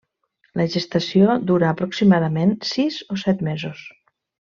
La gestació dura aproximadament sis o set mesos.